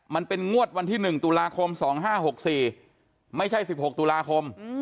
มันเป็นงวดวันที่๑ตุลาคม๒๕๖๔ไม่ใช่๑๖ตุลาคม